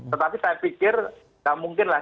tetapi saya pikir tidak mungkinlah